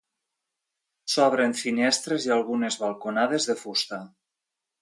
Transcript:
S'obren finestres i algunes balconades de fusta.